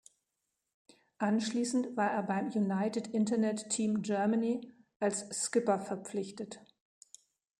Anschließend war er beim United Internet Team Germany als Skipper verpflichtet.